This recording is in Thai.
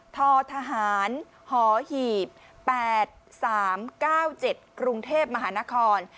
ททหารหอหีบ๘๓๙๗กรุงเทพมหานคร